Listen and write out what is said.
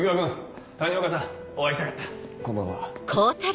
こんばんは。